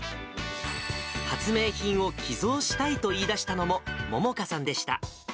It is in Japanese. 発明品を寄贈したいと言い出したのも、杏果さんでした。